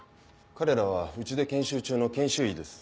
彼らはうちで研修中の研修医です。